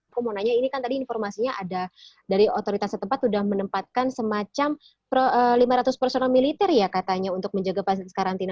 aku mau nanya ini kan tadi informasinya ada dari otoritas setempat sudah menempatkan semacam lima ratus personal militer ya katanya untuk menjaga pasien karantina